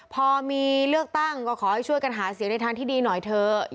พอมีเลือกตั้งก็ขอให้ช่วยกันหาเสียงในทางที่ดีหน่อยเถอะ